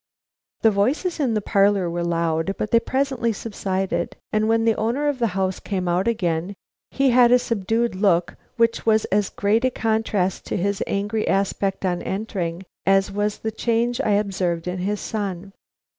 The voices in the parlor were loud, but they presently subsided; and when the owner of the house came out again, he had a subdued look which was as great a contrast to his angry aspect on entering, as was the change I had observed in his son.